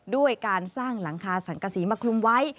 ด้วยการสร้างหลังคาสังกษีมาคลุมไว้